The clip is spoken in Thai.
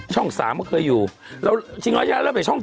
ช่อง๓เคยอยู่แล้วชิงร้อยเนี่ยเราไปช่อง๗